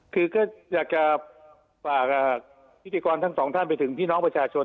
คือก็อยากจะฝากพิธีกรทั้งสองท่านไปถึงพี่น้องประชาชน